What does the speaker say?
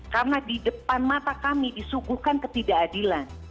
karena di depan mata kami disuguhkan ketidakadilan